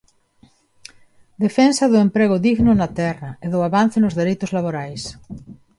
Defensa do emprego digno na Terra e do avance nos dereitos laborais.